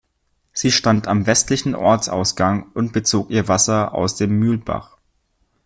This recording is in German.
Sie stand am westlichen Ortsausgang und bezog ihr Wasser aus dem Mühlbach.